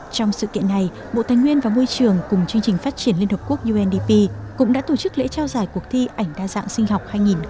trong sự kiện này bộ tài nguyên và môi trường cùng chương trình phát triển liên hợp quốc undp cũng đã tổ chức lễ trao giải cuộc thi ảnh đa dạng sinh học hai nghìn hai mươi